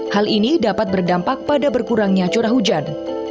hal ini dapat berdampak pada berkurangnya curah hujan